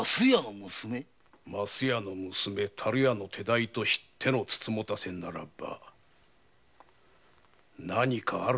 升屋の娘樽屋の手代と知ってのツツモタセならば何かあるのかもしれぬ。